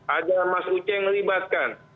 ada mas ruce yang melibatkan